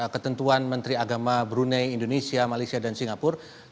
ketentuan menteri agama brunei indonesia malaysia dan singapura